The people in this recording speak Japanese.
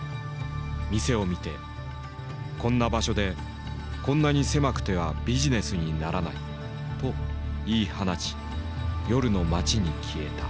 店を見て「こんな場所でこんなに狭くてはビジネスにならない」と言い放ち夜の街に消えた。